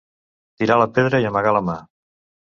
Tirar la pedra i amagar la mà.